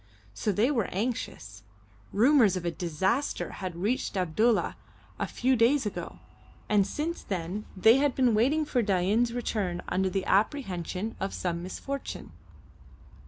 So they were anxious. Rumours of a disaster had reached Abdulla a few days ago, and since then they had been waiting for Dain's return under the apprehension of some misfortune.